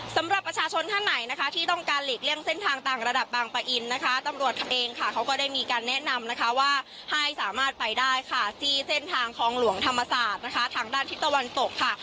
สำหรับประชาชนท่านไหนนะคะที่ต้องการหลีกเลี่ยงเส้นทางต่างระดับบางปะอินนะคะตำรวจเองค่ะเขาก็ได้มีการแนะนำนะคะว่าให้สามารถไปได้ค่ะที่เส้นทางคลองหลวงธรรมศาสตร์นะคะทางด้านทิศตะวันตกค่ะ